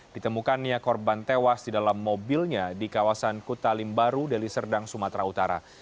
ditemukannya korban tewas di dalam mobilnya di kawasan kutalimbaru deliserdang sumatera utara